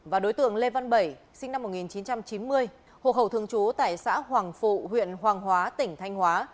và đối tượng lê văn bảy sinh năm một nghìn chín trăm chín mươi hồ khẩu thương chú tại xã hoàng phụ huyện hoàng hóa tỉnh thanh hóa